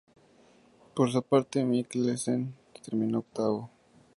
Por su parte Mikkelsen terminó octavo.